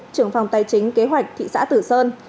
trưởng phòng tài chính kế hoạch thị xã tử sơn